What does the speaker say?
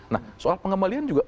nah soal pengembalian juga